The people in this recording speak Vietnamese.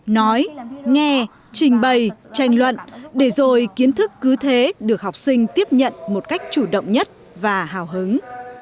nói nghe trình bày tranh luận để rồi kiến thức cứ thế được học sinh tiếp nhận một cách chủ động nhất và hào hứng